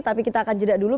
tapi kita akan jeda dulu